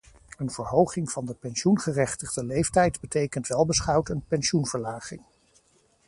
Een verhoging van de pensioengerechtigde leeftijd betekent welbeschouwd een pensioenverlaging.